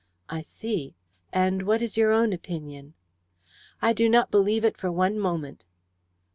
"I see. And what is your own opinion?" "I do not believe it for one moment."